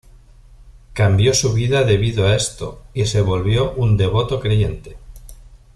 Cambió su vida debido a esto, y se volvió un devoto creyente.